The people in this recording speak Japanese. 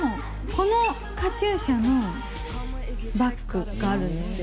このカチューシャのバッグがあるんですよ。